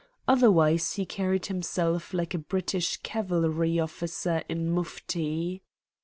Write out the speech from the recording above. Otherwise he carried himself like a British cavalry officer in mufti.